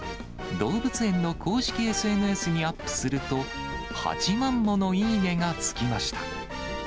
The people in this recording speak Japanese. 動物園の公式ＳＮＳにアップすると、８万ものいいねがつきました。